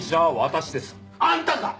あんたか！